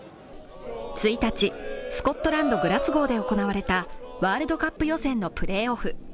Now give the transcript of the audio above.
１日スコットランド・グラスゴーで行われたワールドカップ予選のプレーオフ